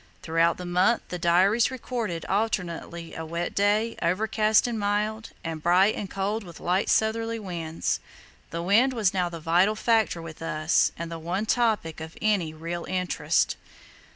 Throughout the month the diaries record alternately "a wet day, overcast and mild," and "bright and cold with light southerly winds." The wind was now the vital factor with us and the one topic of any real interest.